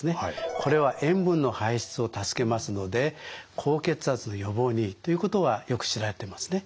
これは塩分の排出を助けますので高血圧の予防にいいということはよく知られてますね。